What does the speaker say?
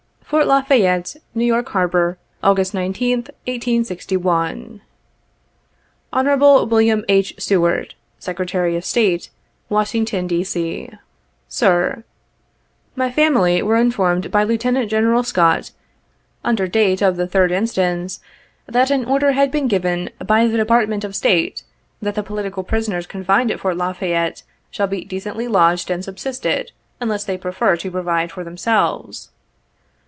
"Fort La Fayette, N. Y. Harbor, August l$th, 1861. "Hon. WM. H. SEWARD, Sec' y of State, Washington, D. C. "Sir: "My family were informed by Lieutenant General Scott, under date of the 3d inst. , that an order had been given ' by the Department of State, that the political prisoners confined at Fort La Fayette shall be decently lodged and subsisted, unless they prefer to provide for themselves.'